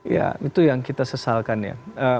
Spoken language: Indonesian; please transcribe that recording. ya itu yang kita sesalkan ya